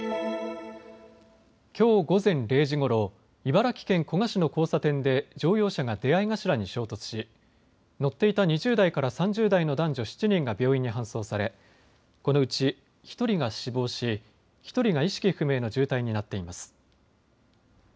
きょう午前０時ごろ、茨城県古河市の交差点で乗用車が出合い頭に衝突し乗っていた２０代から３０代の男女７人が病院に搬送され、このうち１人が死亡し、１人が意識不明の重体になっています。